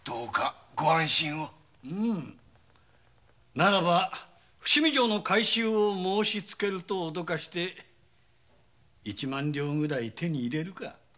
ならば伏見城の改修を申しつけると脅かして一万両ぐらい手に入れるか。